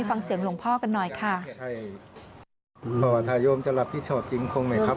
ฟังเสียงหลวงพ่อกันหน่อยค่ะ